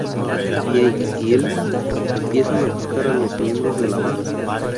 Jake y Elwood empiezan a buscar a los miembros de la banda.